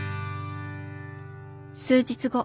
数日後。